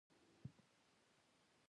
غوړ یا شحمیات د بدن لپاره څه کوي